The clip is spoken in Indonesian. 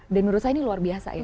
dan menurut saya ini luar biasa ya